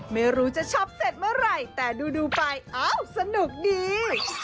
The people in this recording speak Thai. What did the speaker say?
ไม่รู้จะช็อปเสร็จเมื่อไหร่แต่ดูไปอ้าวสนุกดี